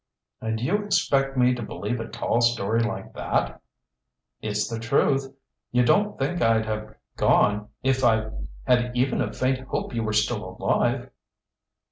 "And you expect me to believe a tall story like that?" "It's the truth. You don't think I'd have gone if I'd had even a faint hope you were still alive?"